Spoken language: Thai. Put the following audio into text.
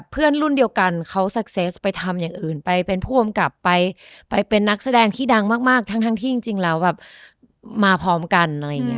เพื่อนรุ่นเดียวกันเขาซักเซสไปทำอย่างอื่นไปเป็นผู้กำกับไปเป็นนักแสดงที่ดังมากทั้งที่จริงแล้วแบบมาพร้อมกันอะไรอย่างนี้